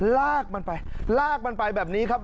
ลากมันไปลากมันไปแบบนี้ครับ